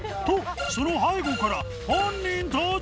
その背後から本人登場！